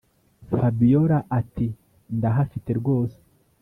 fabiora ati”ndahafite rwose